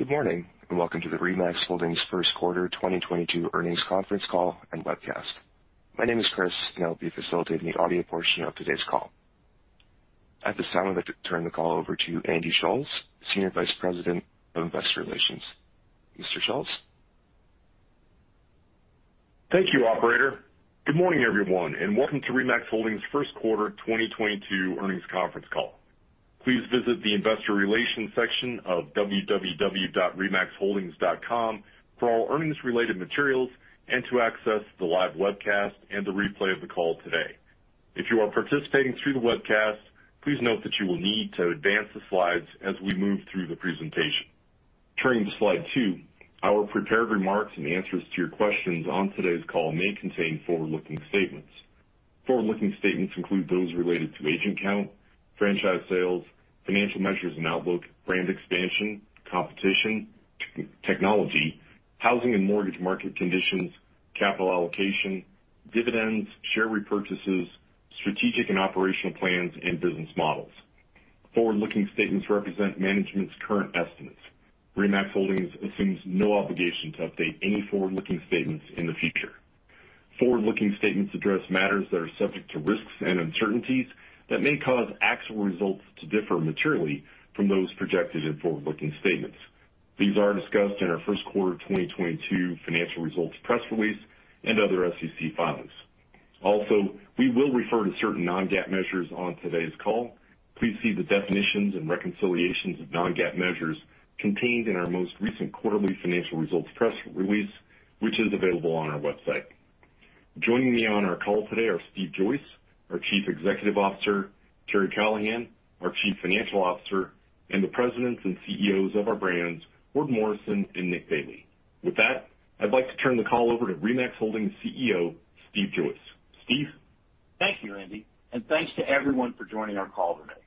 Good morning, and welcome to the RE/MAX Holdings First Quarter 2022 Earnings Conference Call and Webcast. My name is Chris, and I'll be facilitating the audio portion of today's call. At this time, I'd like to turn the call over to Andy Schulz, Senior Vice President of Investor Relations. Mr. Schulz? Thank you, operator. Good morning, everyone, and welcome to RE/MAX Holdings First Quarter 2022 Earnings Conference Call. Please visit the investor relations section of www.remaxholdings.com for all earnings-related materials and to access the live webcast and the replay of the call today. If you are participating through the webcast, please note that you will need to advance the slides as we move through the presentation. Turning to slide two, our prepared remarks and answers to your questions on today's call may contain forward-looking statements. Forward-looking statements include those related to agent count, franchise sales, financial measures and outlook, brand expansion, competition, technology, housing and mortgage market conditions, capital allocation, dividends, share repurchases, strategic and operational plans, and business models. Forward-looking statements represent management's current estimates. RE/MAX Holdings assumes no obligation to update any forward-looking statements in the future. Forward-looking statements address matters that are subject to risks and uncertainties that may cause actual results to differ materially from those projected in forward-looking statements. These are discussed in our first quarter of 2022 financial results press release and other SEC filings. Also, we will refer to certain non-GAAP measures on today's call. Please see the definitions and reconciliations of non-GAAP measures contained in our most recent quarterly financial results press release, which is available on our website. Joining me on our call today are Steve Joyce, our Chief Executive Officer, Karri Callahan, our Chief Financial Officer, and the presidents and CEOs of our brands, Ward Morrison and Nick Bailey. With that, I'd like to turn the call over to RE/MAX Holdings CEO, Steve Joyce. Steve? Thank you, Andy, and thanks to everyone for joining our call today.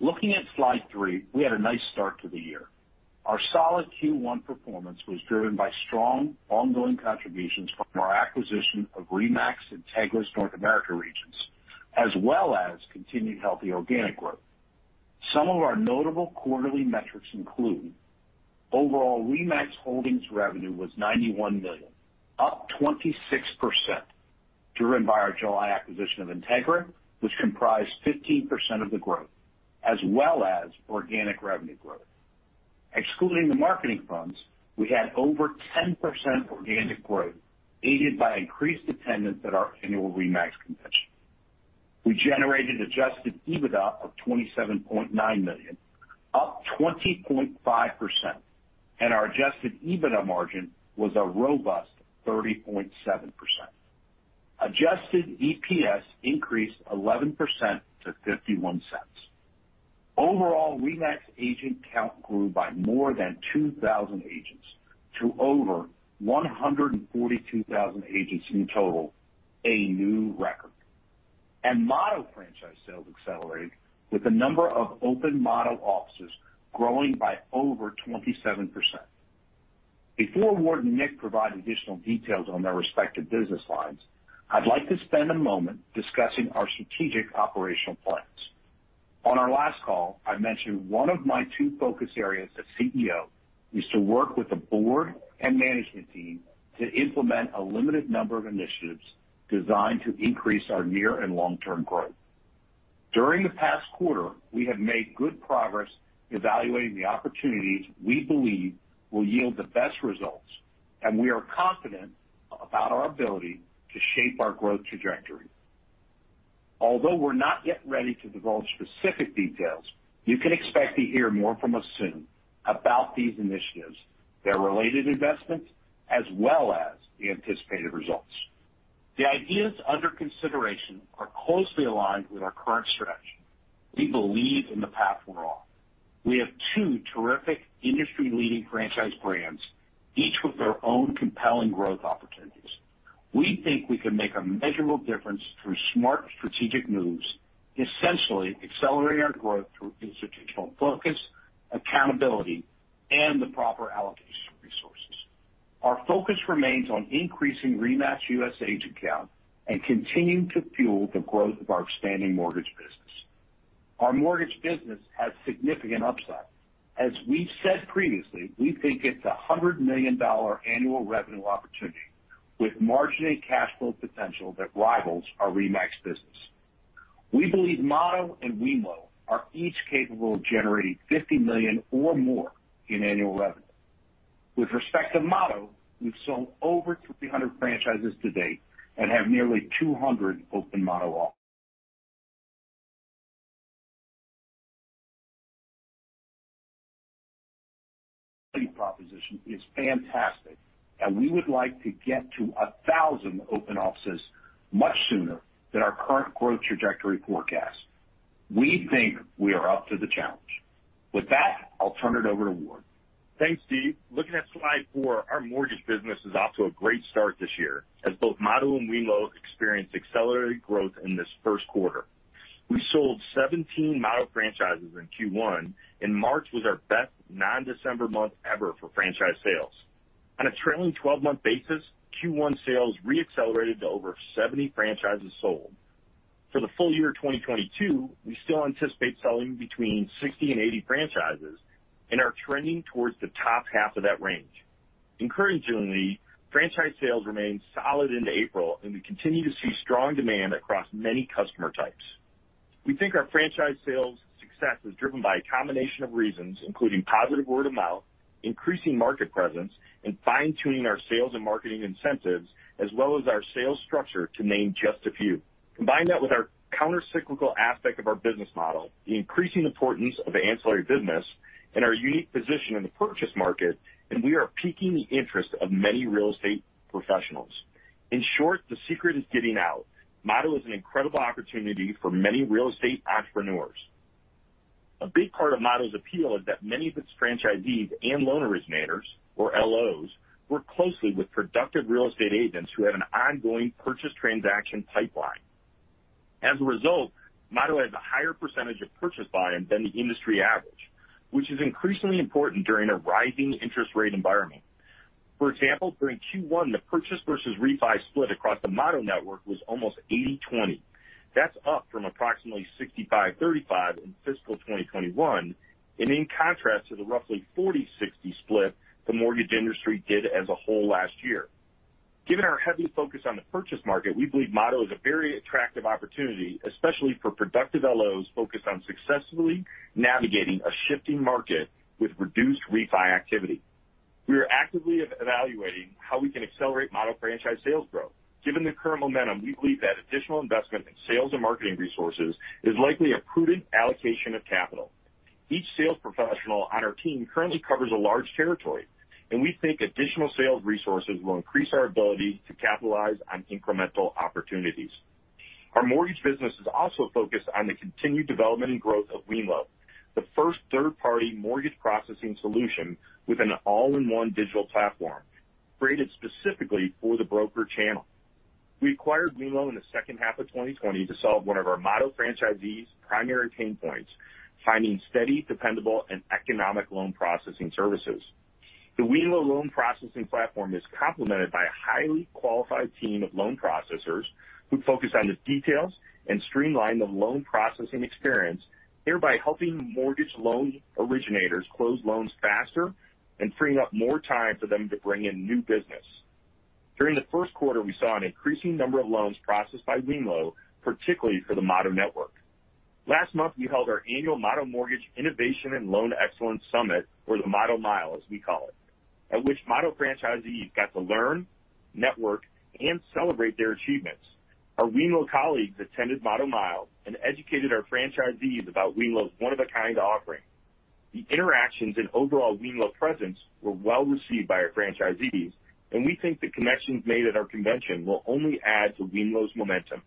Looking at slide three, we had a nice start to the year. Our solid Q1 performance was driven by strong ongoing contributions from our acquisition of RE/MAX INTEGRA North American regions, as well as continued healthy organic growth. Some of our notable quarterly metrics include overall RE/MAX Holdings revenue was $91 million, up 26%, driven by our July acquisition of INTEGRA, which comprised 15% of the growth, as well as organic revenue growth. Excluding the marketing funds, we had over 10% organic growth, aided by increased attendance at our annual RE/MAX convention. We generated Adjusted EBITDA of $27.9 million, up 20.5%, and our Adjusted EBITDA margin was a robust 30.7%. Adjusted EPS increased 11% to $0.51. Overall, RE/MAX agent count grew by more than 2,000 agents to over 142,000 agents in total, a new record. Motto franchise sales accelerated with the number of open Motto offices growing by over 27%. Before Ward and Nick provide additional details on their respective business lines, I'd like to spend a moment discussing our strategic operational plans. On our last call, I mentioned one of my two focus areas as CEO is to work with the board and management team to implement a limited number of initiatives designed to increase our near and long-term growth. During the past quarter, we have made good progress evaluating the opportunities we believe will yield the best results, and we are confident about our ability to shape our growth trajectory. Although we're not yet ready to divulge specific details, you can expect to hear more from us soon about these initiatives, their related investments, as well as the anticipated results. The ideas under consideration are closely aligned with our current strategy. We believe in the path we're on. We have two terrific industry-leading franchise brands, each with their own compelling growth opportunities. We think we can make a measurable difference through smart strategic moves, essentially accelerating our growth through institutional focus, accountability, and the proper allocation of resources. Our focus remains on increasing RE/MAX U.S. agent count and continuing to fuel the growth of our expanding mortgage business. Our mortgage business has significant upside. As we said previously, we think it's a $100 million annual revenue opportunity with margin and cash flow potential that rivals our RE/MAX business. We believe Motto and wemlo are each capable of generating $50 million or more in annual revenue. With respect to Motto, we've sold over 300 franchises to date and have nearly 200 open. Motto proposition is fantastic, and we would like to get to 1,000 open offices much sooner than our current growth trajectory forecast. We think we are up to the challenge. With that, I'll turn it over to Ward. Thanks, Steve. Looking at slide four, our mortgage business is off to a great start this year as both Motto and wemlo experienced accelerated growth in this first quarter. We sold 17 Motto franchises in Q1, and March was our best non-December month ever for franchise sales. On a trailing twelve-month basis, Q1 sales re-accelerated to over 70 franchises sold. For the full year 2022, we still anticipate selling between 60 and 80 franchises, and are trending towards the top half of that range. Encouragingly, franchise sales remain solid into April, and we continue to see strong demand across many customer types. We think our franchise sales success is driven by a combination of reasons, including positive word of mouth, increasing market presence, and fine-tuning our sales and marketing incentives, as well as our sales structure to name just a few. Combine that with our countercyclical aspect of our business model, the increasing importance of ancillary business, and our unique position in the purchase market, and we are piquing the interest of many real estate professionals. In short, the secret is getting out. Motto is an incredible opportunity for many real estate entrepreneurs. A big part of Motto's appeal is that many of its franchisees and loan originators, or LOs, work closely with productive real estate agents who have an ongoing purchase transaction pipeline. As a result, Motto has a higher percentage of purchase volume than the industry average, which is increasingly important during a rising interest rate environment. For example, during Q1, the purchase versus refi split across the Motto network was almost 80/20. That's up from approximately 65/35 in fiscal 2021, and in contrast to the roughly 40/60 split the mortgage industry did as a whole last year. Given our heavy focus on the purchase market, we believe Motto is a very attractive opportunity, especially for productive LOs focused on successfully navigating a shifting market with reduced refi activity. We are actively evaluating how we can accelerate Motto franchise sales growth. Given the current momentum, we believe that additional investment in sales and marketing resources is likely a prudent allocation of capital. Each sales professional on our team currently covers a large territory, and we think additional sales resources will increase our ability to capitalize on incremental opportunities. Our mortgage business is also focused on the continued development and growth of wemlo, the first third-party mortgage processing solution with an all-in-one digital platform created specifically for the broker channel. We acquired wemlo in the second half of 2020 to solve one of our Motto franchisees' primary pain points: finding steady, dependable, and economic loan processing services. The wemlo loan processing platform is complemented by a highly qualified team of loan processors who focus on the details and streamline the loan processing experience, thereby helping mortgage loan originators close loans faster and freeing up more time for them to bring in new business. During the first quarter, we saw an increasing number of loans processed by wemlo, particularly for the Motto network. Last month, we held our annual Motto Mortgage Innovation and Loan Excellence Summit, or the Motto Mile, as we call it, at which Motto franchisees got to learn, network, and celebrate their achievements. Our wemlo colleagues attended Motto Mile and educated our franchisees about wemlo's one-of-a-kind offering. The interactions and overall wemlo presence were well received by our franchisees, and we think the connections made at our convention will only add to wemlo's momentum.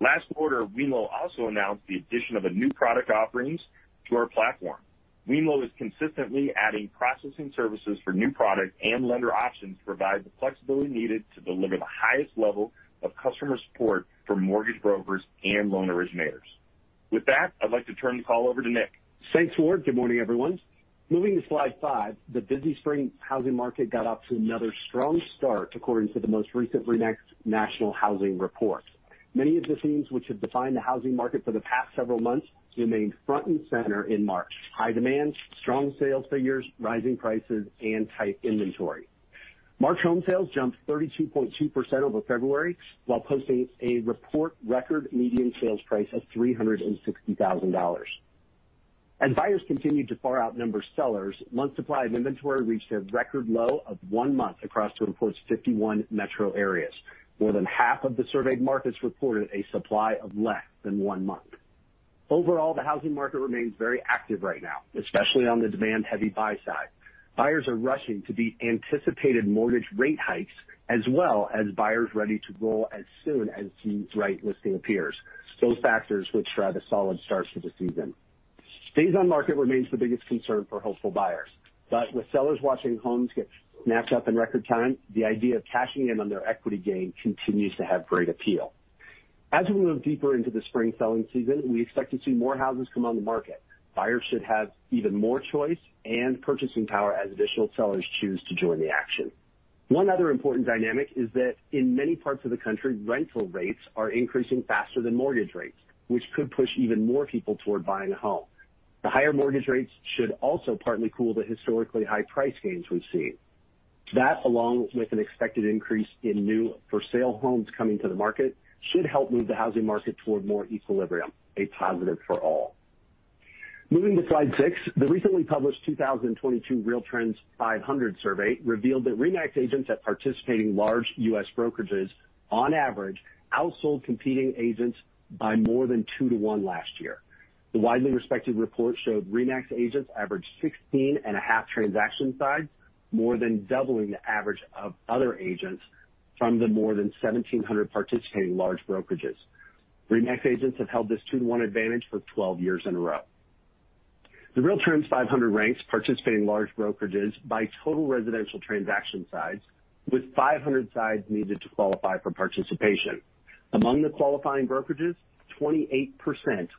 Last quarter, wemlo also announced the addition of a new product offerings to our platform. Wemlo is consistently adding processing services for new product and lender options to provide the flexibility needed to deliver the highest level of customer support for mortgage brokers and loan originators. With that, I'd like to turn the call over to Nick. Thanks, Ward. Good morning, everyone. Moving to slide five, the busy spring housing market got off to another strong start according to the most recent RE/MAX National Housing Report. Many of the themes which have defined the housing market for the past several months remained front and center in March, high demand, strong sales figures, rising prices, and tight inventory. March home sales jumped 32.2% over February while posting a record median sales price of $360,000. As buyers continued to far outnumber sellers, month's supply of inventory reached a record low of one month across RE/MAX's 51 metro areas. More than half of the surveyed markets reported a supply of less than one month. Overall, the housing market remains very active right now, especially on the demand-heavy buy side. Buyers are rushing to beat anticipated mortgage rate hikes, as well as buyers ready to go as soon as the right listing appears. Those factors which drive a solid start to the season. Days on market remains the biggest concern for hopeful buyers. With sellers watching homes get snatched up in record time, the idea of cashing in on their equity gain continues to have great appeal. As we move deeper into the spring selling season, we expect to see more houses come on the market. Buyers should have even more choice and purchasing power as additional sellers choose to join the action. One other important dynamic is that in many parts of the country, rental rates are increasing faster than mortgage rates, which could push even more people toward buying a home. The higher mortgage rates should also partly cool the historically high price gains we've seen. That, along with an expected increase in new for-sale homes coming to the market, should help move the housing market toward more equilibrium, a positive for all. Moving to slide 6. The recently published 2022 RealTrends 500 survey revealed that RE/MAX agents at participating large U.S. brokerages on average outsold competing agents by more than two-one last year. The widely respected report showed RE/MAX agents averaged 16.5 transaction sides, more than doubling the average of other agents from the more than 1,700 participating large brokerages. RE/MAX agents have held this two-one advantage for 12 years in a row. The RealTrends 500 ranks participating large brokerages by total residential transaction sides, with 500 sides needed to qualify for participation. Among the qualifying brokerages, 28%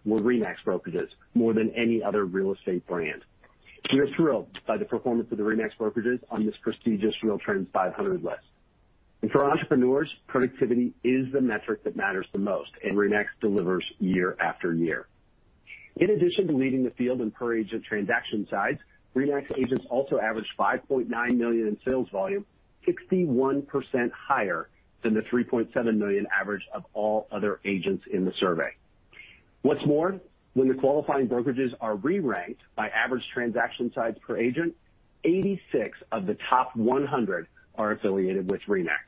were RE/MAX brokerages, more than any other real estate brand. We are thrilled by the performance of the RE/MAX brokerages on this prestigious RealTrends 500 list. For entrepreneurs, productivity is the metric that matters the most, and RE/MAX delivers year after year. In addition to leading the field in per agent transaction size, RE/MAX agents also averaged $5.9 million in sales volume, 61% higher than the $3.7 million average of all other agents in the survey. What's more, when the qualifying brokerages are re-ranked by average transaction size per agent, 86 of the top 100 are affiliated with RE/MAX.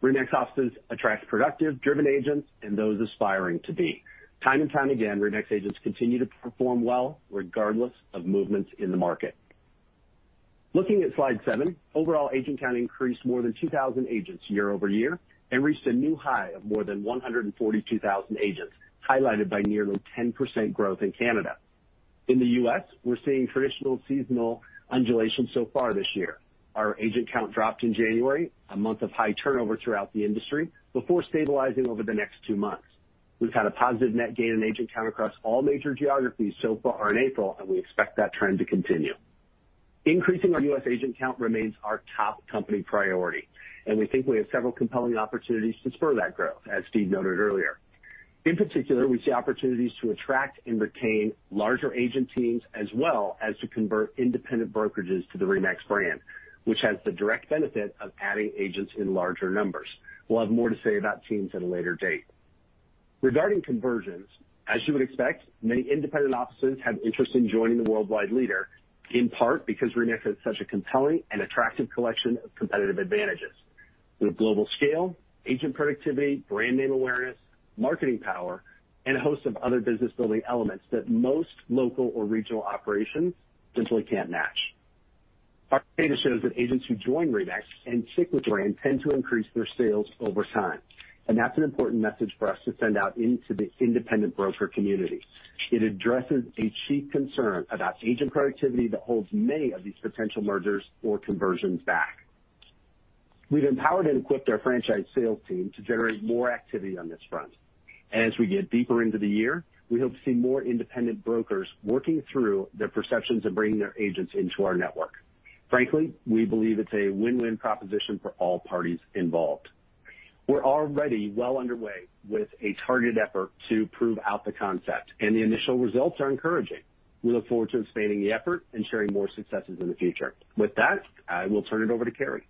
RE/MAX offices attract productive, driven agents and those aspiring to be. Time and time again, RE/MAX agents continue to perform well regardless of movements in the market. Looking at slide seven, overall agent count increased more than 2,000 agents year-over-year and reached a new high of more than 142,000 agents, highlighted by nearly 10% growth in Canada. In the U.S., we're seeing traditional seasonal undulation so far this year. Our agent count dropped in January, a month of high turnover throughout the industry, before stabilizing over the next two months. We've had a positive net gain in agent count across all major geographies so far in April, and we expect that trend to continue. Increasing our U.S. agent count remains our top company priority, and we think we have several compelling opportunities to spur that growth, as Steve noted earlier. In particular, we see opportunities to attract and retain larger agent teams, as well as to convert independent brokerages to the RE/MAX brand, which has the direct benefit of adding agents in larger numbers. We'll have more to say about teams at a later date. Regarding conversions, as you would expect, many independent offices have interest in joining the worldwide leader, in part because RE/MAX has such a compelling and attractive collection of competitive advantages with global scale, agent productivity, brand name awareness, marketing power, and a host of other business-building elements that most local or regional operations simply can't match. Our data shows that agents who join RE/MAX and stick with the brand tend to increase their sales over time, and that's an important message for us to send out into the independent broker community. It addresses a chief concern about agent productivity that holds many of these potential mergers or conversions back. We've empowered and equipped our franchise sales team to generate more activity on this front. As we get deeper into the year, we hope to see more independent brokers working through their perceptions of bringing their agents into our network. Frankly, we believe it's a win-win proposition for all parties involved. We're already well underway with a targeted effort to prove out the concept, and the initial results are encouraging. We look forward to expanding the effort and sharing more successes in the future. With that, I will turn it over to Karri.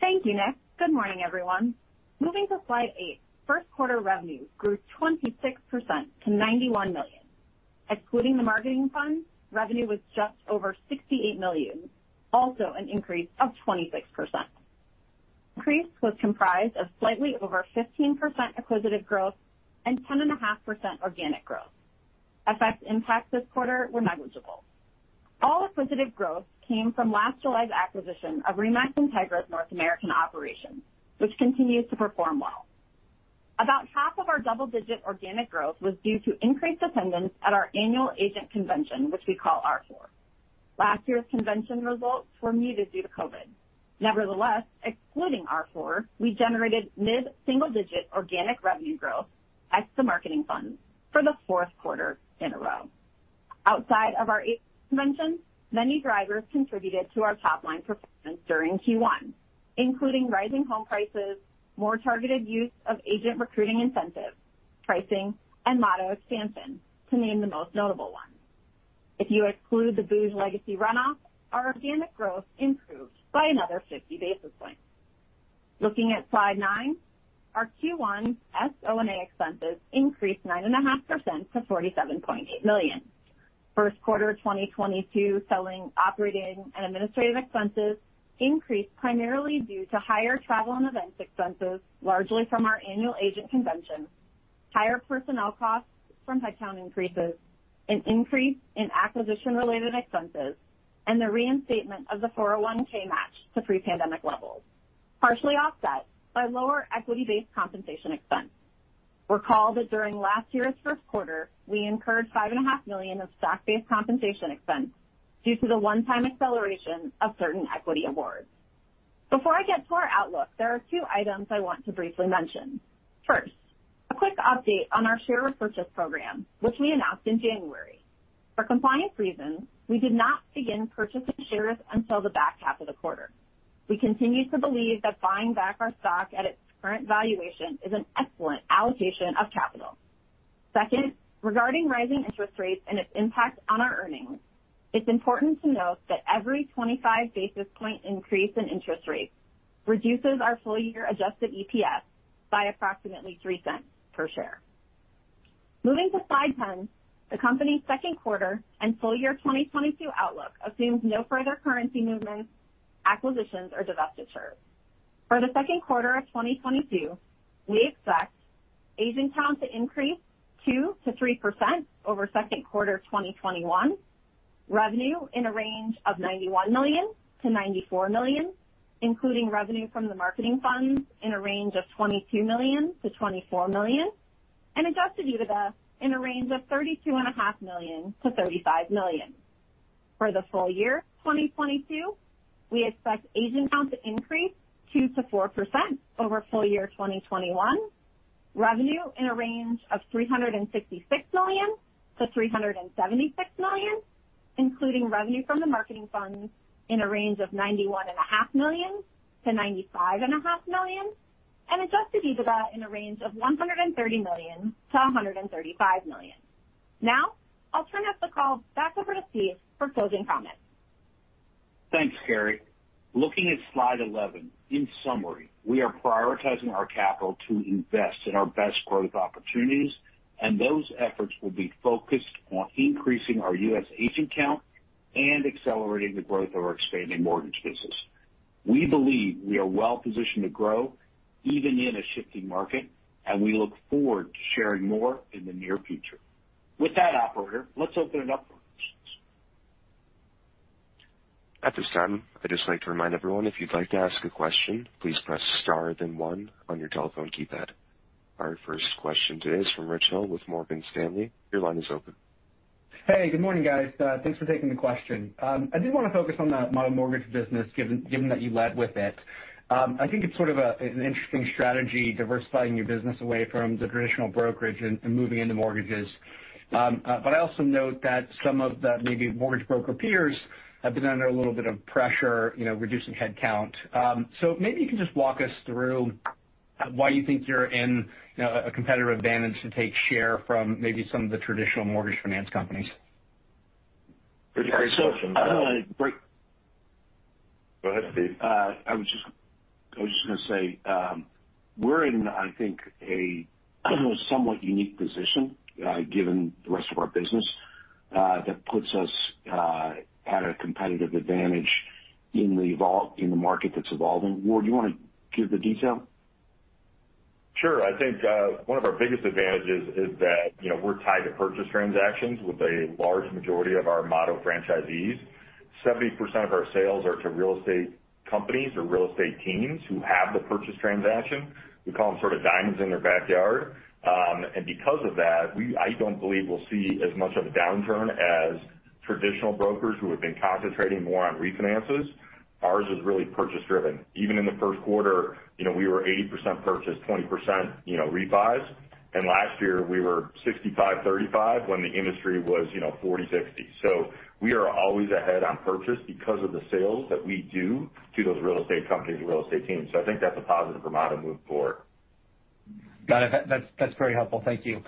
Thank you, Nick. Good morning, everyone. Moving to slide eight, first quarter revenue grew 26% to $91 million. Excluding the marketing fund, revenue was just over $68 million, also an increase of 26%. Increase was comprised of slightly over 15% acquisitive growth and 10.5% organic growth. FX effects impact this quarter were negligible. All acquisitive growth came from last July's acquisition of RE/MAX INTEGRA's North American operations, which continued to perform well. About half of our double-digit organic growth was due to increased attendance at our annual agent convention, which we call R4. Last year's convention results were muted due to COVID. Nevertheless, excluding R4, we generated mid-single-digit organic revenue growth at the marketing fund for the fourth quarter in a row. Outside of our agent convention, many drivers contributed to our top line performance during Q1, including rising home prices, more targeted use of agent recruiting incentives, pricing, and Motto expansion, to name the most notable ones. If you exclude the booj legacy runoff, our organic growth improved by another 50 basis points. Looking at slide nine, our Q1 SO&A expenses increased 9.5% to $47.8 million. First quarter of 2022, selling, operating, and administrative expenses increased primarily due to higher travel and events expenses, largely from our annual agent convention, higher personnel costs from headcount increases, an increase in acquisition-related expenses, and the reinstatement of the 401(k) match to pre-pandemic levels, partially offset by lower equity-based compensation expense. Recall that during last year's first quarter, we incurred $5.5 Million of stock-based compensation expense due to the one-time acceleration of certain equity awards. Before I get to our outlook, there are two items I want to briefly mention. First, a quick update on our share repurchase program, which we announced in January. For compliance reasons, we did not begin purchasing shares until the back half of the quarter. We continue to believe that buying back our stock at its current valuation is an excellent allocation of capital. Second, regarding rising interest rates and its impact on our earnings, it's important to note that every 25 basis point increase in interest rates reduces our full year Adjusted EPS by approximately $0.03 per share. Moving to slide 10. The company's second quarter and full year 2022 outlook assumes no further currency movements, acquisitions, or divestitures. For the second quarter of 2022, we expect agent count to increase 2%-3% over second quarter of 2021. Revenue in a range of $91 million-$94 million, including revenue from the marketing funds in a range of $22 million-$24 million, and Adjusted EBITDA in a range of $32.5 million-$35 million. For the full year 2022, we expect agent count to increase 2%-4% over full year 2021. Revenue in a range of $366 million-$376 million, including revenue from the marketing funds in a range of $91.5 million-$95.5 million, and Adjusted EBITDA in a range of $130 million-$135 million. Now I'll turn the call back over to Steve for closing comments. Thanks, Karri. Looking at slide 11, in summary, we are prioritizing our capital to invest in our best growth opportunities, and those efforts will be focused on increasing our U.S. agent count and accelerating the growth of our expanding mortgage business. We believe we are well-positioned to grow even in a shifting market, and we look forward to sharing more in the near future. With that, operator, let's open it up for questions. At this time, I'd just like to remind everyone if you'd like to ask a question, please press star then one on your telephone keypad. Our first question today is from Rich Hill with Morgan Stanley. Your line is open. Hey, good morning, guys. Thanks for taking the question. I did want to focus on the Motto Mortgage business, given that you led with it. I think it's sort of an interesting strategy diversifying your business away from the traditional brokerage and moving into mortgages. I also note that some of the maybe mortgage broker peers have been under a little bit of pressure, you know, reducing headcount. Maybe you can just walk us through why you think you're in a competitive advantage to take share from maybe some of the traditional mortgage finance companies. Great question. So, uh- Go ahead, Steve. I was just gonna say, we're in, I think, a somewhat unique position, given the rest of our business, that puts us at a competitive advantage in the market that's evolving. Ward, you wanna give the detail? Sure. I think, one of our biggest advantages is that, you know, we're tied to purchase transactions with a large majority of our Motto franchisees. 70% of our sales are to real estate companies or real estate teams who have the purchase transaction. We call them sort of diamonds in their backyard. Because of that, I don't believe we'll see as much of a downturn as traditional brokers who have been concentrating more on refinances. Ours is really purchase driven. Even in the first quarter, you know, we were 80% purchase, 20%, you know, refi. Last year we were 65/35 when the industry was, you know, 40/60. We are always ahead on purchase because of the sales that we do to those real estate companies and real estate teams. I think that's a positive for Motto moving forward. Got it. That's very helpful. Thank you.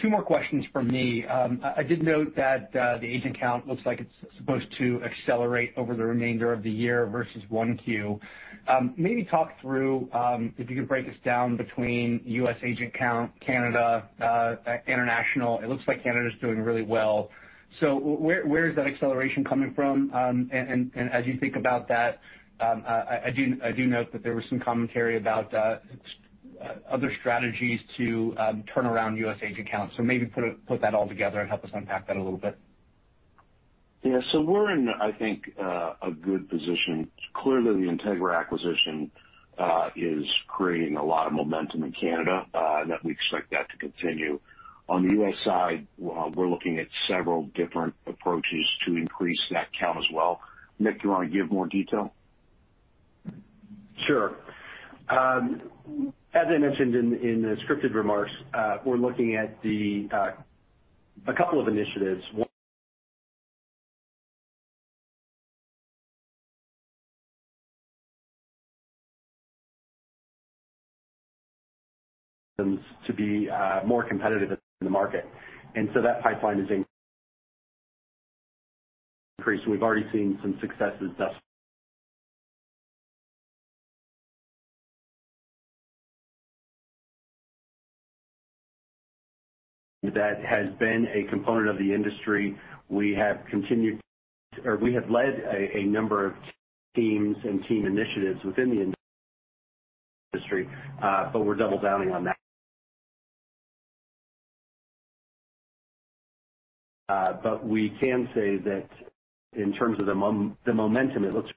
Two more questions from me. I did note that the agent count looks like it's supposed to accelerate over the remainder of the year versus Q1. Maybe talk through if you could break this down between U.S. agent count, Canada, international. It looks like Canada's doing really well. Where is that acceleration coming from? And as you think about that, I do note that there was some commentary about other strategies to turn around U.S. agent count. Maybe put that all together and help us unpack that a little bit. Yeah. We're in, I think, a good position. Clearly, the INTEGRA acquisition is creating a lot of momentum in Canada, and that we expect that to continue. On the U.S. side, we're looking at several different approaches to increase that count as well. Nick, do you wanna give more detail? Sure. As I mentioned in the scripted remarks, we're looking at a couple of initiatives. One to be more competitive in the market. That pipeline is increased, and we've already seen some successes. That has been a component of the industry. We have led a number of teams and team initiatives within the industry, but we're doubling down on that. We can say that in terms of the momentum, it looks.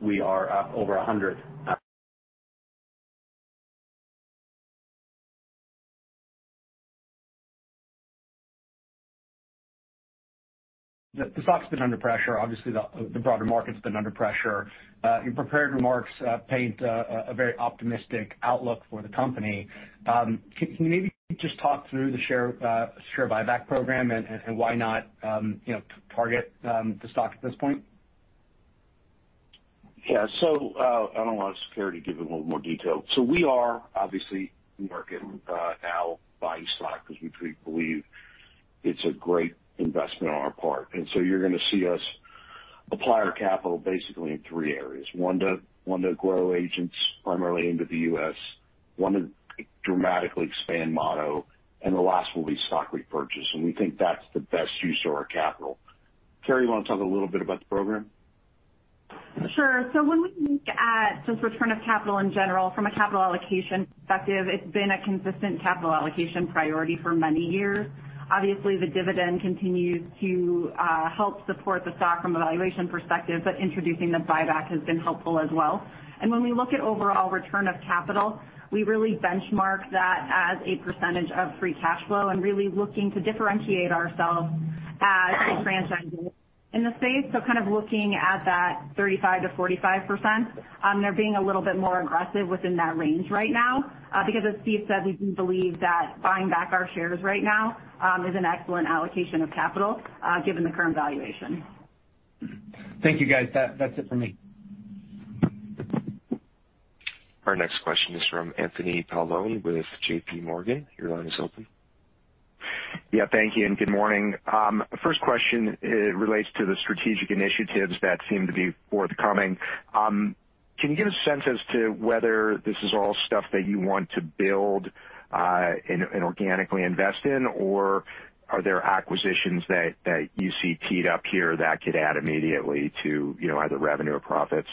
We are over 100. The stock's been under pressure. Obviously, the broader market's been under pressure. Your prepared remarks paint a very optimistic outlook for the company. Can you maybe just talk through the share buyback program and why not, you know, target the stock at this point? Yeah. I don't want to scare to give a little more detail. We are obviously in the market now buying stock because we believe it's a great investment on our part. You're gonna see us apply our capital basically in three areas: one to grow agents primarily into the U.S., one to dramatically expand Motto, and the last will be stock repurchase. We think that's the best use of our capital. Karri, you wanna talk a little bit about the program? Sure. When we look at just return of capital in general from a capital allocation perspective, it's been a consistent capital allocation priority for many years. Obviously, the dividend continues to help support the stock from a valuation perspective, but introducing the buyback has been helpful as well. When we look at overall return of capital, we really benchmark that as a percentage of free cash flow and really looking to differentiate ourselves as a franchisee in the space. Kind of looking at that 35%-45%. They're being a little bit more aggressive within that range right now, because as Steve said, we do believe that buying back our shares right now is an excellent allocation of capital, given the current valuation. Thank you, guys. That's it for me. Our next question is from Anthony Paolone with JPMorgan. Your line is open. Yeah. Thank you, and good morning. First question, it relates to the strategic initiatives that seem to be forthcoming. Can you give a sense as to whether this is all stuff that you want to build, and organically invest in? Or are there acquisitions that you see teed up here that could add immediately to, you know, either revenue or profits?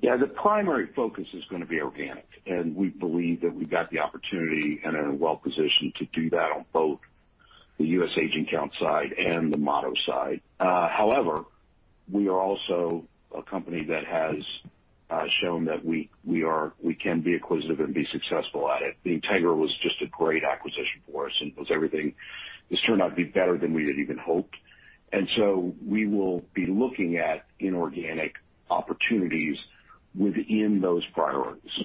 Yeah. The primary focus is gonna be organic, and we believe that we've got the opportunity and are well-positioned to do that on both the U.S. agent count side and the Motto side. However, we are also a company that has shown that we are we can be acquisitive and be successful at it. The INTEGRA was just a great acquisition for us and was everything. It's turned out to be better than we had even hoped. We will be looking at inorganic opportunities within those priorities.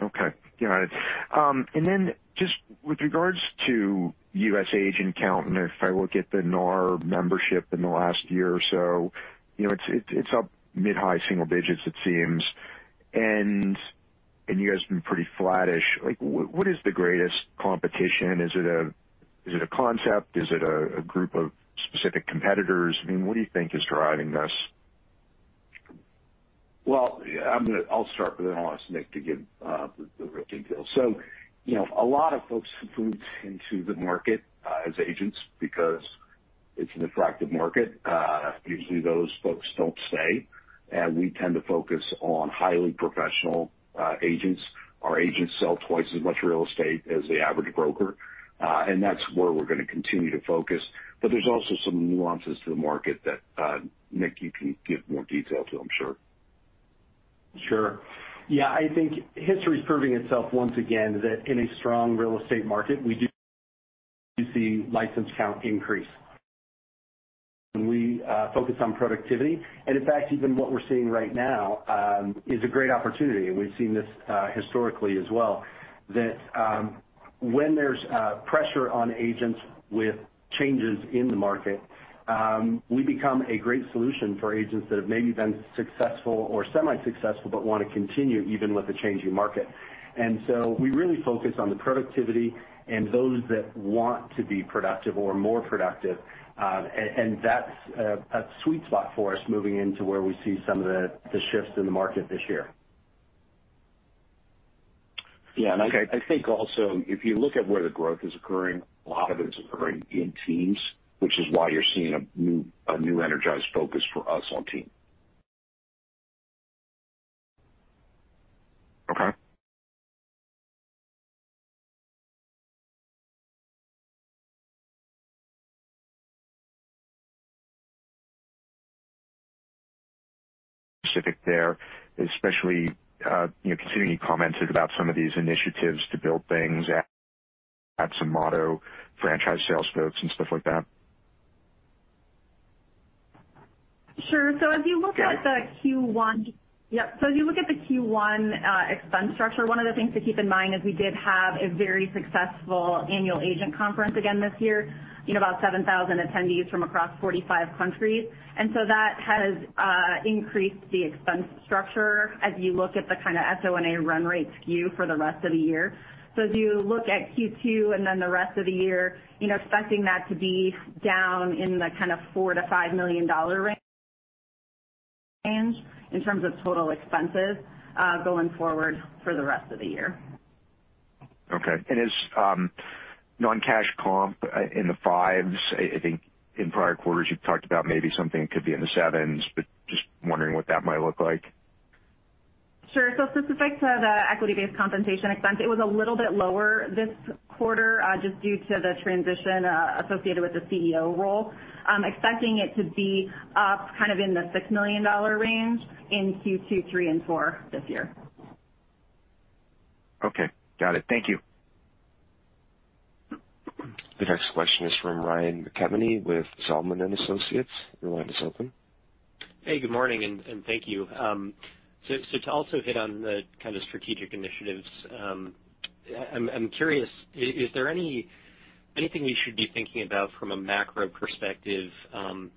Okay. Got it. Just with regards to U.S. agent count, and if I look at the NAR membership in the last year or so, you know, it's up mid-high single digits it seems. You guys have been pretty flattish. Like, what is the greatest competition? Is it a concept? Is it a group of specific competitors? I mean, what do you think is driving this? Well, I'll start, but then I'll ask Nick to give the real details. You know, a lot of folks move into the market as agents because it's an attractive market. Usually those folks don't stay. We tend to focus on highly professional agents. Our agents sell twice as much real estate as the average broker, and that's where we're gonna continue to focus. There's also some nuances to the market that, Nick, you can give more detail to, I'm sure. Sure. Yeah. I think history is proving itself once again that in a strong real estate market, we do see license count increase, and we focus on productivity. In fact, even what we're seeing right now is a great opportunity, and we've seen this historically as well, that when there's pressure on agents with changes in the market, we become a great solution for agents that have maybe been successful or semi-successful but wanna continue even with the changing market. We really focus on the productivity and those that want to be productive or more productive. That's a sweet spot for us moving into where we see some of the shifts in the market this year. Yeah. I think also if you look at where the growth is occurring, a lot of it is occurring in teams, which is why you're seeing a new energized focus for us on team. Okay. Specifically there, especially, you know, considering you commented about some of these initiatives to build things at some Motto franchise sales folks and stuff like that. If you look at the Q1 expense structure, one of the things to keep in mind is we did have a very successful annual agent conference again this year, you know, about 7,000 attendees from across 45 countries. That has increased the expense structure as you look at the kind of SO&A run rate skew for the rest of the year. As you look at Q2 and then the rest of the year, you know, expecting that to be down in the kind of $4 million-$5 million range in terms of total expenses, going forward for the rest of the year. Okay. Is non-cash comp in the fives? I think in prior quarters you've talked about maybe something could be in the sevens, but just wondering what that might look like. Sure. Specific to the equity-based compensation expense, it was a little bit lower this quarter, just due to the transition associated with the CEO role. I'm expecting it to be up kind of in the $6 million range in Q2, Q3 and Q4 this year. Okay. Got it. Thank you. The next question is from Ryan McKeveny with Zelman & Associates. Your line is open. Hey, good morning, and thank you. To also hit on the kind of strategic initiatives, I'm curious, is there anything you should be thinking about from a macro perspective,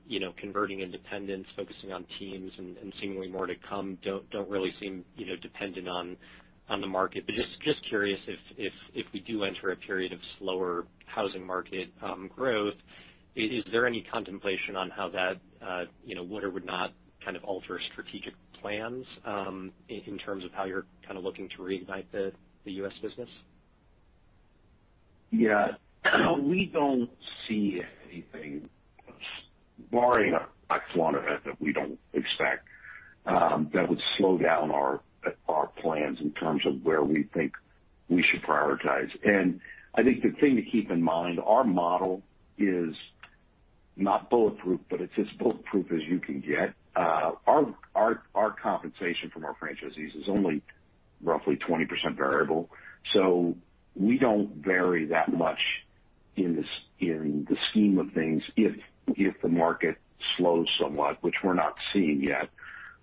you know, converting independents, focusing on teams and seemingly more to come, don't really seem, you know, dependent on the market. Just curious if we do enter a period of slower housing market growth, is there any contemplation on how that, you know, would or would not kind of alter strategic plans, in terms of how you're kind of looking to reignite the U.S. business? Yeah. We don't see anything, barring a black swan event that we don't expect, that would slow down our plans in terms of where we think we should prioritize. I think the thing to keep in mind, our model is not bulletproof, but it's as bulletproof as you can get. Our compensation from our franchisees is only roughly 20% variable. We don't vary that much in the scheme of things if the market slows somewhat, which we're not seeing yet,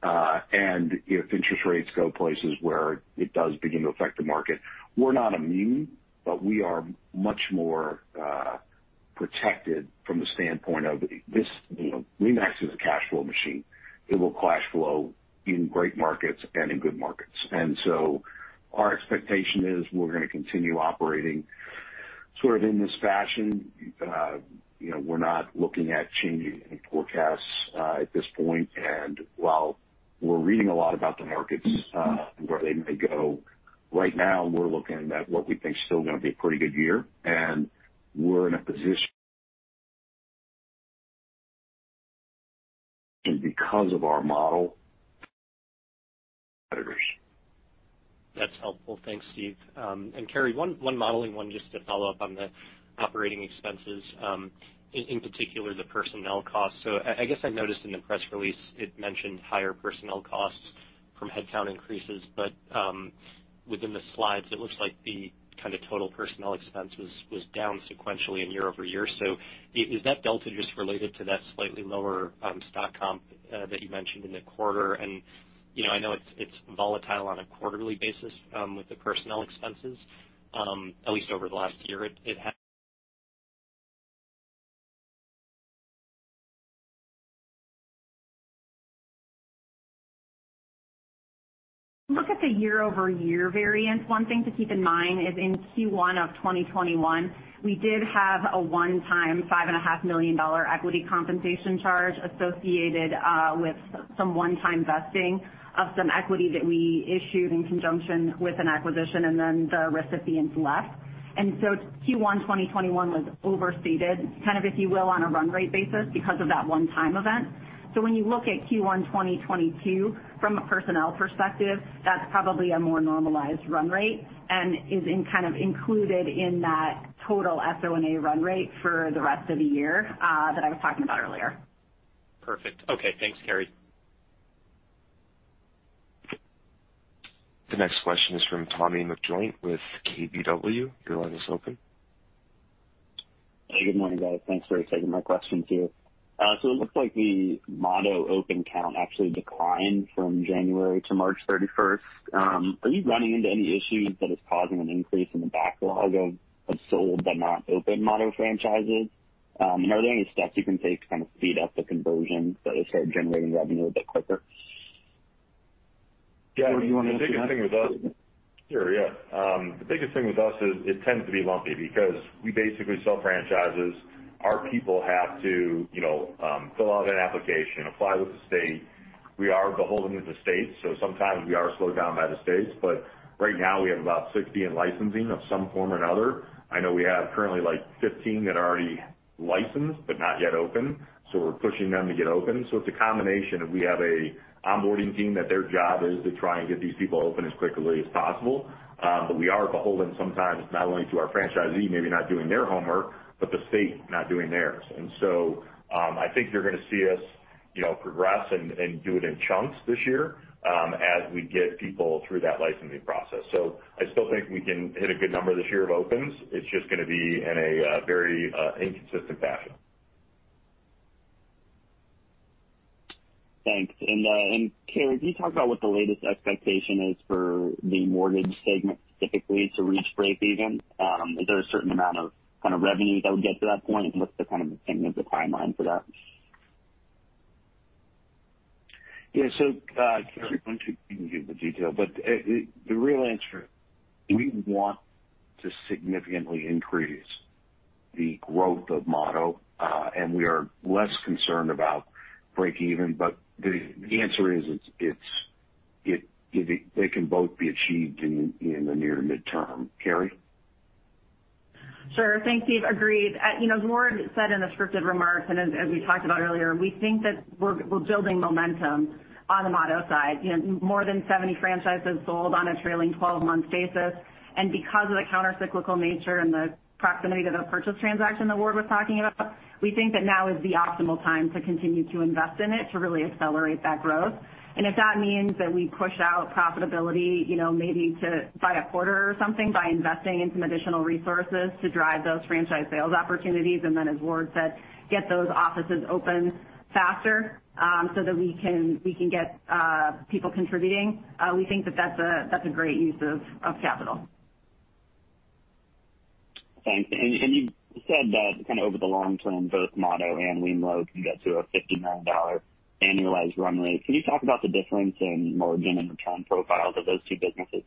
and if interest rates go places where it does begin to affect the market. We're not immune, but we are much more protected from the standpoint of this, you know, RE/MAX is a cash flow machine. It will cash flow in great markets and in good markets. Our expectation is we're gonna continue operating sort of in this fashion. You know, we're not looking at changing any forecasts at this point. While we're reading a lot about the markets and where they may go, right now, we're looking at what we think is still gonna be a pretty good year, and we're in a position because of our model competitors. That's helpful. Thanks, Steve. Karri, one modeling just to follow up on the operating expenses, in particular, the personnel costs. I guess I noticed in the press release it mentioned higher personnel costs from headcount increases. Within the slides, it looks like the kind of total personnel expense was down sequentially and year-over-year. Is that delta just related to that slightly lower stock comp that you mentioned in the quarter? You know, I know it's volatile on a quarterly basis with the personnel expenses, at least over the last year it ha- Look at the year-over-year variance. One thing to keep in mind is in Q1 of 2021, we did have a one-time $5.5 million equity compensation charge associated with some one-time vesting of some equity that we issued in conjunction with an acquisition and then the recipients left. Q1 2021 was overstated, kind of, if you will, on a run rate basis because of that one-time event. When you look at Q1 2022 from a personnel perspective, that's probably a more normalized run rate and is kind of included in that total SO&A run rate for the rest of the year that I was talking about earlier. Perfect. Okay. Thanks, Karri. The next question is from Tommy McJoynt with KBW. Your line is open. Hey, good morning, guys. Thanks for taking my questions here. It looks like the Motto open count actually declined from January to March 31st. Are you running into any issues that is causing an increase in the backlog of sold but not open Motto franchises? Are there any steps you can take to kind of speed up the conversion so they start generating revenue a bit quicker? Yeah. The biggest thing with us is it tends to be lumpy because we basically sell franchises. Our people have to, you know, fill out an application, apply with the state. We are beholden to the state, so sometimes we are slowed down by the states. Right now we have about 60 in licensing of some form or another. I know we have currently, like, 15 that are already licensed but not yet open, so we're pushing them to get open. It's a combination of we have an onboarding team that their job is to try and get these people open as quickly as possible. We are beholden sometimes not only to our franchisee, maybe not doing their homework, but the state not doing theirs. I think you're gonna see us, you know, progress and do it in chunks this year, as we get people through that licensing process. I still think we can hit a good number this year of opens. It's just gonna be in a very inconsistent fashion. Thanks. Karri, can you talk about what the latest expectation is for the mortgage segment specifically to reach breakeven? Is there a certain amount of kind of revenue that would get to that point? What's the kind of timing of the timeline for that? Karri, you can give the detail, but the real answer, we want to significantly increase the growth of Motto, and we are less concerned about breakeven. The answer is they can both be achieved in the near term. Karri? Sure. Thanks, Steve. Agreed. You know, as Ward said in the scripted remarks and as we talked about earlier, we think that we're building momentum on the Motto side. You know, more than 70 franchises sold on a trailing 12-month basis. Because of the countercyclical nature and the proximity to the purchase transaction that Ward was talking about, we think that now is the optimal time to continue to invest in it to really accelerate that growth. If that means that we push out profitability, you know, maybe by a quarter or something by investing in some additional resources to drive those franchise sales opportunities, and then as Ward said, get those offices open faster, so that we can get people contributing, we think that that's a great use of capital. Thanks. You said that kind of over the long term, both Motto and wemlo can get to a $50 million annualized run rate. Can you talk about the difference in margin and return profiles of those two businesses?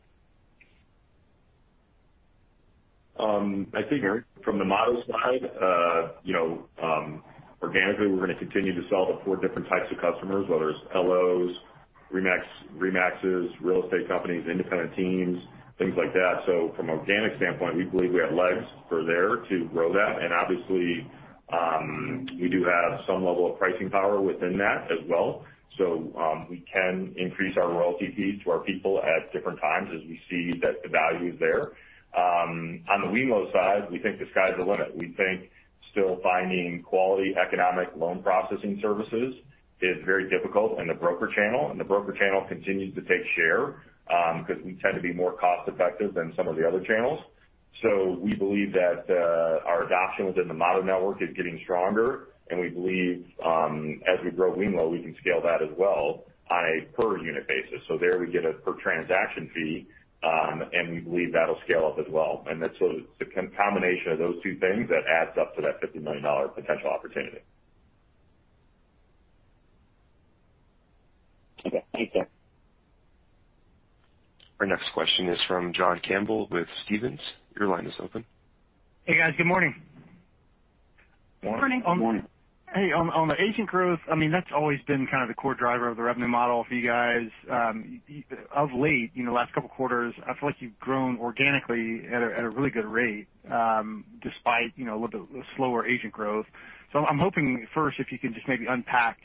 I think from the Motto side, you know, organically, we're gonna continue to sell to four different types of customers, whether it's LOs, RE/MAX, RE/MAXs, real estate companies, independent teams, things like that. From organic standpoint, we believe we have legs for there to grow that. Obviously, we do have some level of pricing power within that as well. We can increase our royalty fees to our people at different times as we see that the value is there. On the wemlo side, we think the sky's the limit. We think still finding quality economic loan processing services is very difficult in the broker channel, and the broker channel continues to take share, 'cause we tend to be more cost-effective than some of the other channels. We believe that our adoption within the Motto network is getting stronger, and we believe as we grow wemlo, we can scale that as well on a per unit basis. There we get a per transaction fee, and we believe that'll scale up as well. That's sort of the combination of those two things that adds up to that $50 million potential opportunity. Okay. Thank you. Our next question is from John Campbell with Stephens. Your line is open. Hey, guys. Good morning. Morning. Good morning. Hey, on the agent growth, I mean, that's always been kind of the core driver of the revenue model for you guys. Of late, in the last couple of quarters, I feel like you've grown organically at a really good rate, despite you know, a little bit slower agent growth. I'm hoping first, if you can just maybe unpack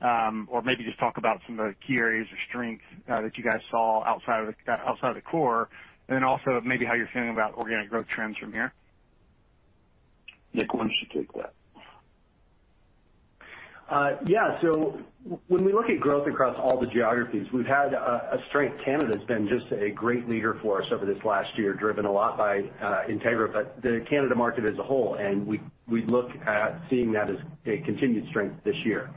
or maybe just talk about some of the key areas of strength that you guys saw outside of the core, and then also maybe how you're feeling about organic growth trends from here. Nick, why don't you take that? When we look at growth across all the geographies, we've had a strength. Canada's been just a great leader for us over this last year, driven a lot by INTEGRA, but the Canada market as a whole, and we look at seeing that as a continued strength this year.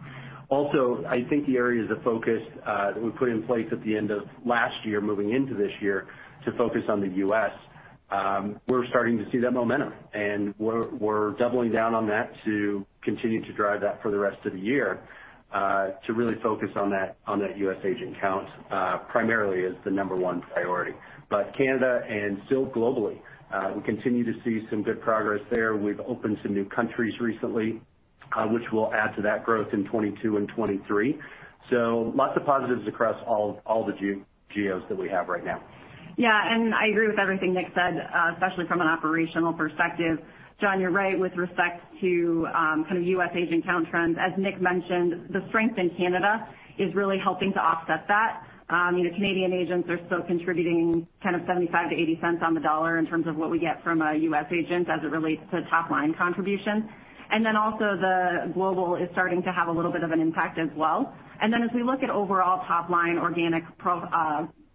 Also, I think the areas of focus that we put in place at the end of last year, moving into this year to focus on the U.S., we're starting to see that momentum, and we're doubling down on that to continue to drive that for the rest of the year, to really focus on that, on that U.S. agent count, primarily as the number one priority. Canada and still globally, we continue to see some good progress there. We've opened some new countries recently, which will add to that growth in 2022 and 2023. Lots of positives across all the geos that we have right now. Yeah. I agree with everything Nick said, especially from an operational perspective. John, you're right with respect to kind of U.S. agent count trends. As Nick mentioned, the strength in Canada is really helping to offset that. You know, Canadian agents are still contributing kind of 75-80 cents on the dollar in terms of what we get from a U.S. agent as it relates to top line contribution. Then also the global is starting to have a little bit of an impact as well. Then as we look at overall top line organic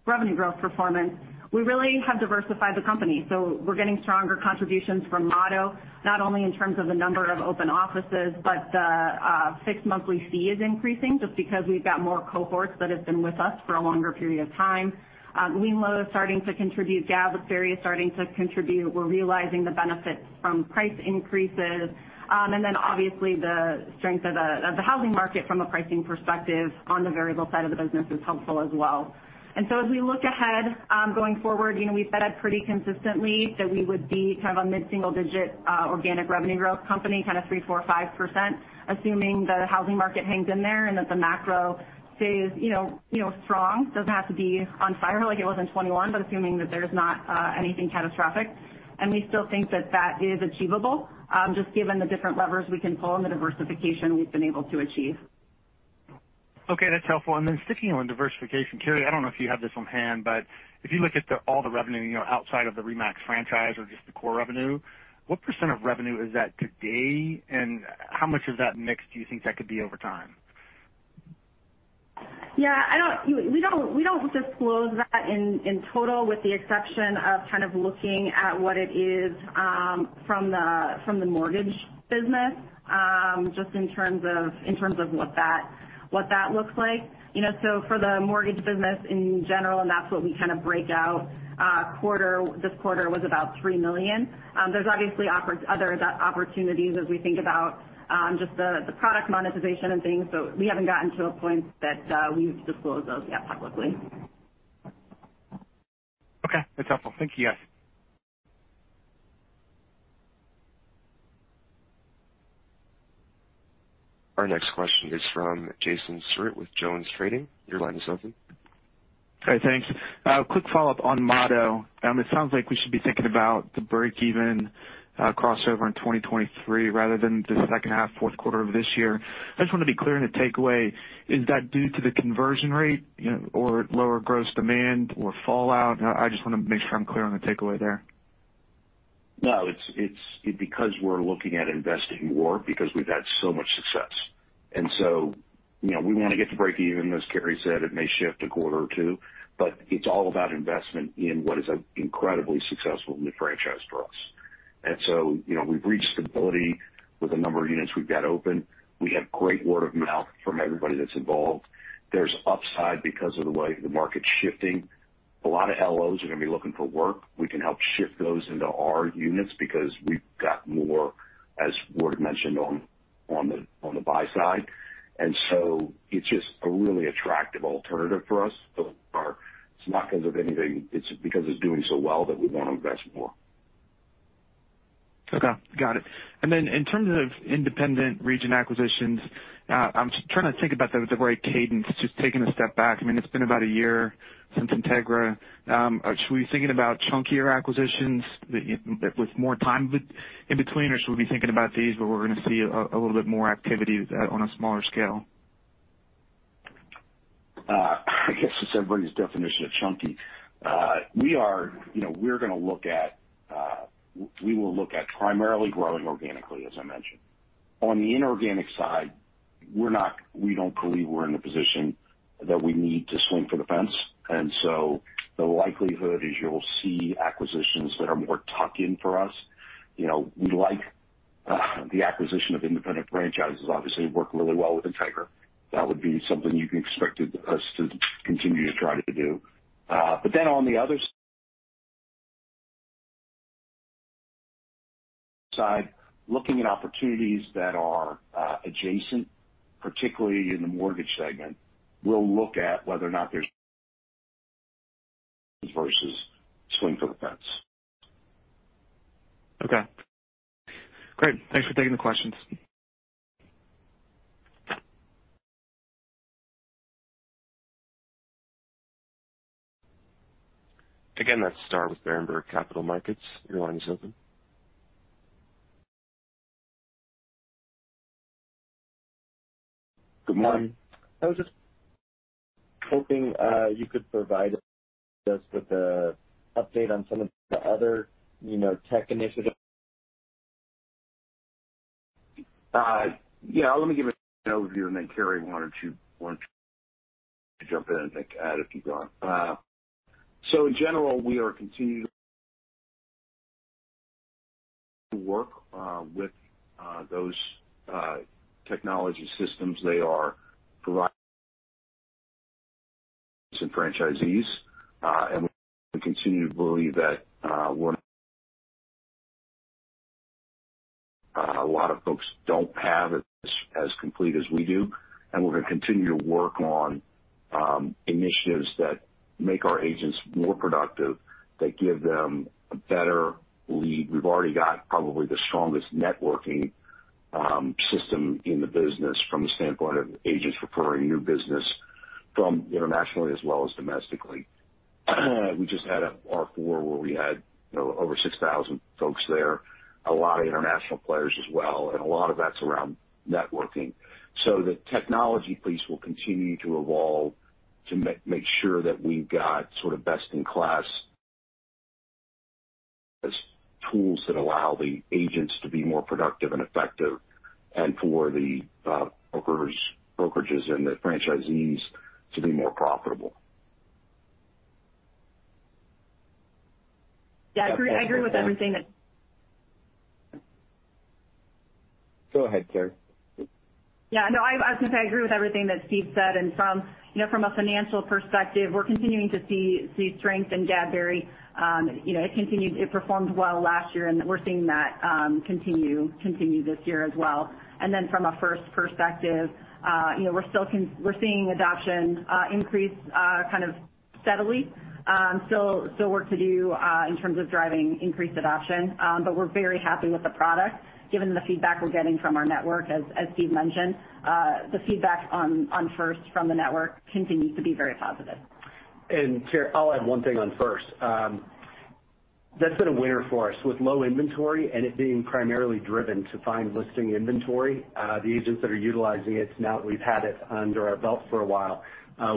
revenue growth performance, we really have diversified the company. We're getting stronger contributions from Motto, not only in terms of the number of open offices, but the fixed monthly fee is increasing just because we've got more cohorts that have been with us for a longer period of time. wemlo is starting to contribute. Gadberry Group is starting to contribute. We're realizing the benefits from price increases. And then obviously the strength of the housing market from a pricing perspective on the variable side of the business is helpful as well. As we look ahead, going forward, you know, we've said pretty consistently that we would be kind of a mid-single digit organic revenue growth company, kind of 3%-5%, assuming the housing market hangs in there and that the macro stays, you know, strong. Doesn't have to be on fire like it was in 2021, but assuming that there's not anything catastrophic. We still think that that is achievable, just given the different levers we can pull and the diversification we've been able to achieve. Okay, that's helpful. Sticking on diversification, Karri, I don't know if you have this on hand, but if you look at all the revenue, you know, outside of the RE/MAX franchise or just the core revenue, what % of revenue is that today, and how much of that mix do you think that could be over time? I don't. We don't disclose that in total with the exception of kind of looking at what it is from the mortgage business just in terms of what that looks like. You know, for the mortgage business in general, and that's what we kind of break out quarter. This quarter was about $3 million. There's obviously other opportunities as we think about just the product monetization and things. We haven't gotten to a point that we've disclosed those yet publicly. Okay. That's helpful. Thank you, guys. Our next question is from Jason Weaver with Jones Trading. Your line is open. Okay. Thanks. Quick follow-up on Motto. It sounds like we should be thinking about the breakeven crossover in 2023 rather than the second half, fourth quarter of this year. I just wanna be clear on the takeaway. Is that due to the conversion rate, you know, or lower gross demand or fallout? I just wanna make sure I'm clear on the takeaway there. No, it's because we're looking at investing more because we've had so much success. You know, we wanna get to break even. As Karri said, it may shift a quarter or two, but it's all about investment in what is an incredibly successful new franchise for us. You know, we've reached stability with the number of units we've got open. We have great word of mouth from everybody that's involved. There's upside because of the way the market's shifting. A lot of LOs are gonna be looking for work. We can help shift those into our units because we've got more, as Ward mentioned, on the buy side. It's just a really attractive alternative for us. It's not because of anything. It's because it's doing so well that we wanna invest more. Okay, got it. In terms of independent region acquisitions, I'm just trying to think about the right cadence, just taking a step back. I mean, it's been about a year since INTEGRA. Should we be thinking about chunkier acquisitions with more time in between, or should we be thinking about these, but we're gonna see a little bit more activity on a smaller scale? I guess it's everybody's definition of chunky. You know, we will look at primarily growing organically, as I mentioned. On the inorganic side, we don't believe we're in a position that we need to swing for the fence. The likelihood is you'll see acquisitions that are more tuck-in for us. You know, we like the acquisition of independent franchises. Obviously, it worked really well with INTEGRA. That would be something you can expect us to continue to try to do. But then on the other side, looking at opportunities that are adjacent, particularly in the mortgage segment. We'll look at whether or not there's versus swing for the fence. Okay, great. Thanks for taking the questions. Again, let's start with Berenberg Capital Markets. Your line is open. Good morning. I was just hoping you could provide us with the update on some of the other, you know, tech initiatives. Yeah, let me give an overview, and then Karri, why don't you jump in and add if you want. In general, we are continuing to work with those technology systems. They are providing some franchisees, and we continue to believe that a lot of folks don't have it as complete as we do, and we're gonna continue to work on initiatives that make our agents more productive, that give them a better lead. We've already got probably the strongest networking system in the business from the standpoint of agents referring new business from internationally as well as domestically. We just had a R4 where we had over 6,000 folks there, a lot of international players as well, and a lot of that's around networking. The technology piece will continue to evolve to make sure that we've got sort of best in class tools that allow the agents to be more productive and effective and for the brokers, brokerages and the franchisees to be more profitable. Yeah, I agree with everything that Go ahead, Karri. I was gonna say I agree with everything that Steve said. From, you know, from a financial perspective, we're continuing to see strength in Gadberry. You know, it performed well last year, and we're seeing that continue this year as well. From a First perspective, you know, we're seeing adoption increase kind of steadily. Still work to do in terms of driving increased adoption. But we're very happy with the product given the feedback we're getting from our network as Steve mentioned. The feedback on First from the network continues to be very positive. Carrie, I'll add one thing on First. That's been a winner for us with low inventory and it being primarily driven to find listing inventory. The agents that are utilizing it now that we've had it under our belt for a while,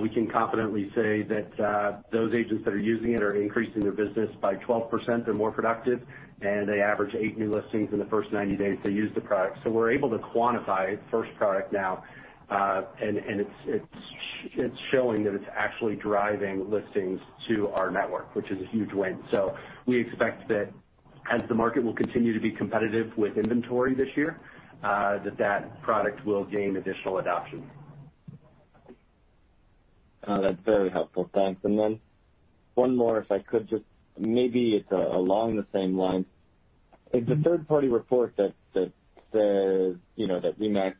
we can confidently say that, those agents that are using it are increasing their business by 12%. They're more productive, and they average eight new listings in the first 90 days they use the product. We're able to quantify First product now, and it's showing that it's actually driving listings to our network, which is a huge win. We expect that as the market will continue to be competitive with inventory this year, that product will gain additional adoption. That's very helpful. Thanks. One more if I could just maybe it's along the same line. Is the third-party report that says, you know, that RE/MAX agents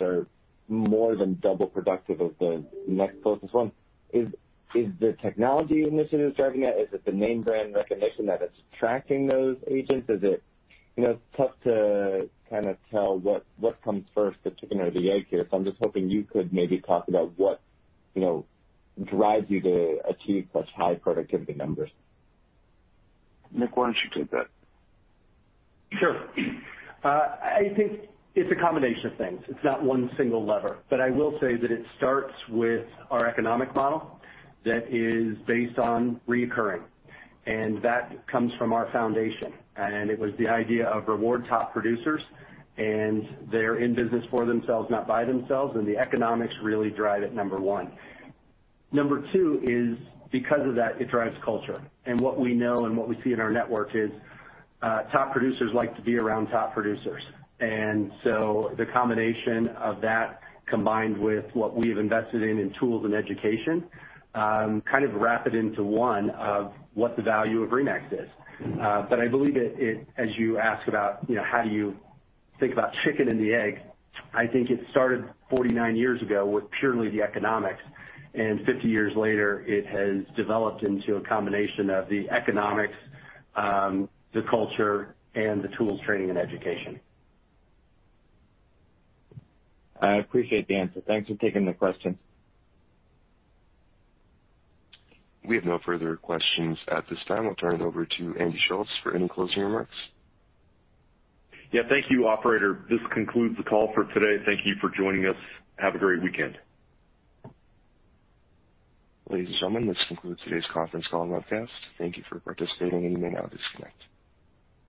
are more than double productive of the next closest one? Is the technology initiative driving it? Is it the name brand recognition that is attracting those agents? Is it? You know, it's tough to kind of tell what comes first, the chicken or the egg here. I'm just hoping you could maybe talk about what, you know, drives you to achieve such high productivity numbers. Nick, why don't you take that? Sure. I think it's a combination of things. It's not one single lever. I will say that it starts with our economic model that is based on recurring, and that comes from our foundation. It was the idea of reward top producers, and they're in business for themselves, not by themselves, and the economics really drive it, number one. Number two is because of that, it drives culture. What we know and what we see in our network is, top producers like to be around top producers. The combination of that combined with what we've invested in tools and education, kind of wrap it into one of what the value of RE/MAX is. I believe it, as you ask about, you know, how do you think about chicken and the egg, I think it started 49 years ago with purely the economics. 50 years later, it has developed into a combination of the economics, the culture, and the tools, training, and education. I appreciate the answer. Thanks for taking the question. We have no further questions at this time. We'll turn it over to Andy Schulz for any closing remarks. Yeah, thank you, operator. This concludes the call for today. Thank you for joining us. Have a great weekend. Ladies and gentlemen, this concludes today's conference call and webcast. Thank you for participating, and you may now disconnect.